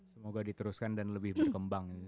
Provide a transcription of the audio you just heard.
semoga diteruskan dan lebih berkembang